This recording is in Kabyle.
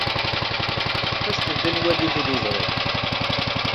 Aset-d ad nwali tiliẓri.